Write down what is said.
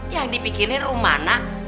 yang dipikirin rumana